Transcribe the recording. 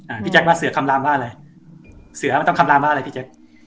พี่แจ๊คว่าเสือคำลามว่าอะไรเสือมันต้องคำลามว่าอะไรพี่แจ๊ค